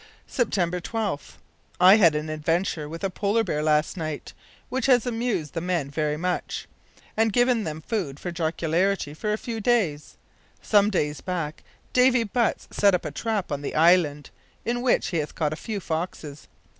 "September 12th. I had an adventure with a polar bear last night, which has amused the men very much, and given them food for jocularity for a few days. Some days back Davy Butts set a trap on the island, in which he has caught a few foxes.